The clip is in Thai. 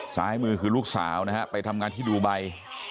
ซ้ายมือคือลูกสาวนะฮะไปทำงานที่ดูไบ